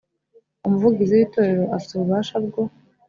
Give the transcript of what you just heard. umuvugizi w itorero afite ububasha bwo